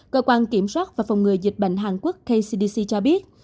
cơ quan kiểm soát và phòng ngừa dịch bệnh hàn quốc kcdc cho biết